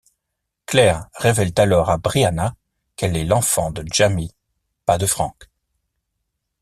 Claire révèle alors à Brianna qu'elle est l'enfant de Jamie, pas de Frank.